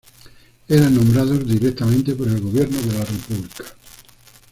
Eran nombrados directamente por el gobierno de la República.